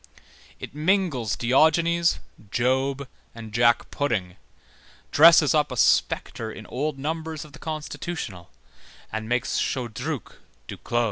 It mingles Diogenes, Job, and Jack pudding, dresses up a spectre in old numbers of the Constitutional, and makes Chodruc Duclos.